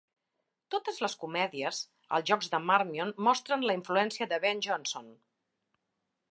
Totes les comèdies, els jocs de Marmion mostren la influència de Ben Jonson.